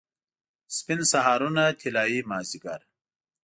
سپین سهارونه، طلايي مازدیګر